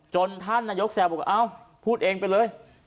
จนท่านนายกแสวบอกพูดเองไปเลย